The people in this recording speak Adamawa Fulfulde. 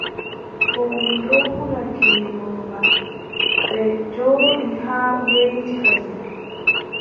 Fowru ɗon hula ngeelooba, ɓe njooɗi haa weeti fajiri.